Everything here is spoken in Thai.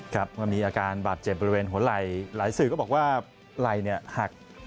ครับเมื่อมีอาการบาดเจ็บบริเวณหัวไหล่หลายสื่อก็บอกว่าไหล่หัก